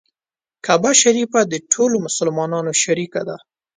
کعبه شریفه د ټولو مسلمانانو شریکه ده.